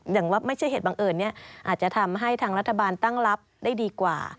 อย่างว่าไม่ใช่เหตุบังเอิญเนี่ยอาจจะทำให้ทางรัฐบาลตั้งรับได้ดีกว่า